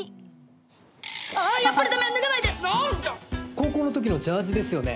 高校の時のジャージですよね。